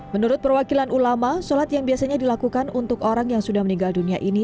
menurut perwakilan ulama sholat yang biasanya dilakukan untuk orang yang sudah meninggal dunia ini